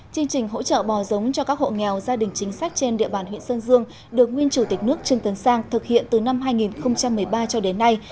chương trình hỗ trợ bò giống cho các hộ nghèo gia đình chính sách trên địa bàn huyện sơn dương được nguyên chủ tịch nước trương tấn sang thực hiện từ năm hai nghìn một mươi ba cho đến nay